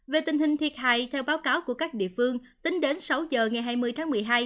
về tình hình thiệt hại theo báo cáo của các địa phương tính đến sáu giờ ngày hai mươi tháng một mươi hai